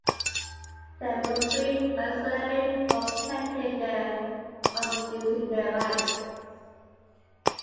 They were free and the Islamic law protected them from losing their rights.